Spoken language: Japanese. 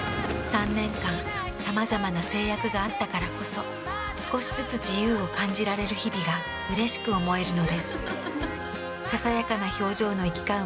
３年間さまざまな制約があったからこそ少しずつ自由を感じられる日々がうれしく思えるのです。